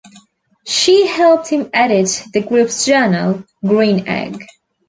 She helped him edit the group's journal, "Green Egg".